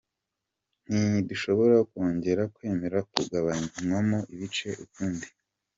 Ntidushobora kongera kwemera kugabanywamo ibice ukundi.